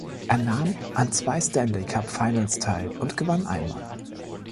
Er nahm an zwei Stanley-Cup-Finals teil und gewann einmal.